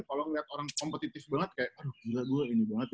kalau ngeliat orang kompetitif banget kayak aduh gila gue ini banget